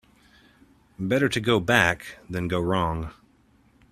Better to go back than go wrong.